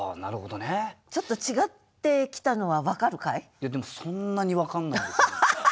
いやでもそんなに分かんないですね。